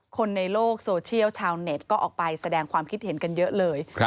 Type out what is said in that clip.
คนในโลกโซเชียลชาวเน็ตก็ออกไปแสดงความคิดเห็นกันเยอะเลย